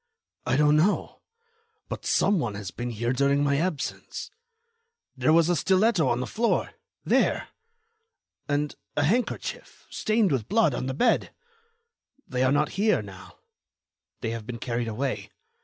"I don't know, but some one has been here during my absence. There was a stiletto on the floor—there! And a handkerchief, stained with blood, on the bed. They are not here now. They have been carried away.